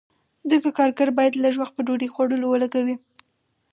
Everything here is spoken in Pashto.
ځکه کارګر باید لږ وخت په ډوډۍ خوړلو ولګوي